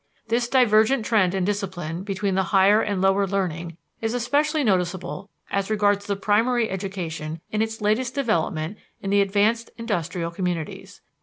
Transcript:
This divergent trend in discipline between the higher and the lower learning is especially noticeable as regards the primary education in its latest development in the advanced industrial communities.